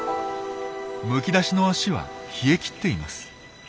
むき出しの足は冷えきっています。